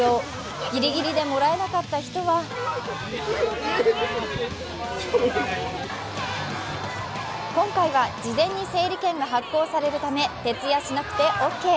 ギリギリでもらえなかった人は今回は事前に整理券が発行されるため徹夜しなくてオッケー。